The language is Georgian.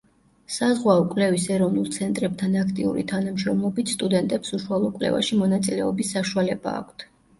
საზღვაო კვლევის ეროვნულ ცენტრებთან აქტიური თანამშრომლობით სტუდენტებს უშუალო კვლევაში მონაწილეობის საშუალება აქვთ.